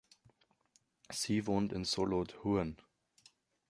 Sie wohnt in Solothurn.